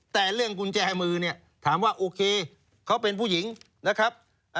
แต่เรื่องกุญแจมือเนี่ยถามว่าโอเคเขาเป็นผู้หญิงนะครับ